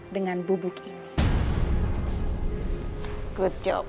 dengan bubuk ini